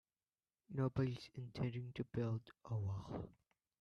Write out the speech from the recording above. Nobody's intending to build a wall.